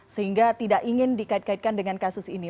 sehingga tidak ingin dikait kaitkan dengan kasus ini